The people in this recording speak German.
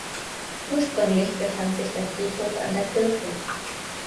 Ursprünglich befand sich der Friedhof an der Kirche.